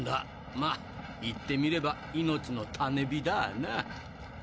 まあ言ってみれば命の種火だあな。